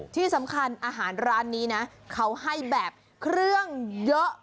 ที่สำคัญอาหารร้านนี้นะเขาให้แบบเครื่องเยอะ